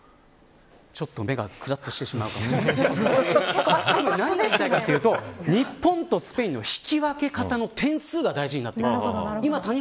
ちょっと目がくらっと永してしまうかもしれませんが日本とスペインの引き分け方の点数が大事になってくるんです。